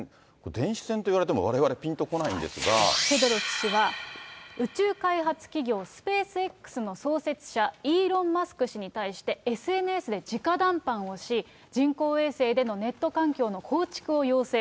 電子戦といわれても、われわれ、フェドロフ氏は、宇宙開発企業、スペースＸの創設者、イーロン・マスク氏に対して、ＳＮＳで直談判をし、人工衛星でのネット環境の構築を要請。